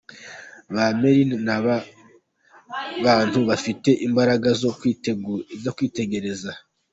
Ba Milena ni ba bantu bafite imbaraga zo kwitegereza